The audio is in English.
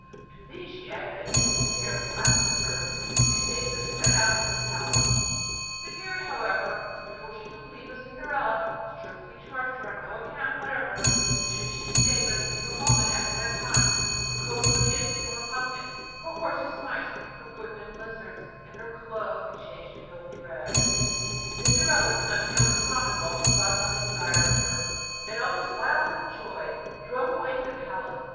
To these she added a beautiful pair of glass slippers, and bade her set out for the palace. The fairy, however, before she took leave of Cinderella, strictly charged her on no account whatever to stay at the ball after the clock had struck twelve, telling her that, should she stay but a single moment after that time, her coach would again become a pumpkin, her horses mice, her footmen lizards, and her fine clothes be changed to filthy rags. Cinderella did not fail to promise all her godmother desired of her; and almost wild with joy drove away to the palace.